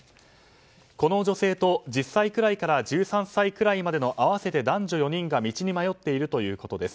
この女性と１０歳くらいから１３歳くらいまでの合わせて男女４人が道に迷っているということです。